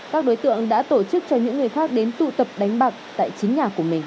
các đối tượng đã tổ chức cho những người khác đến tụ tập đánh bạc tại chính nhà của mình